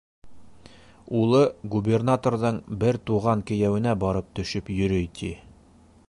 Улы губернаторҙың бер туған кейәүенә барып төшөп йөрөй, ти.